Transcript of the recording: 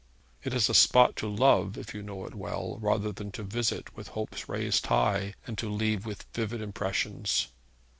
It is a spot to love if you know it well, rather than to visit with hopes raised high, and to leave with vivid impressions.